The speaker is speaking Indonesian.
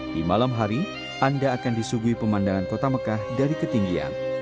di malam hari anda akan disuguhi pemandangan kota mekah dari ketinggian